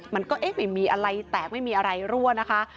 มันก็เอ๊ะไม่มีอะไรแตกไม่มีอะไรรั่วนะคะ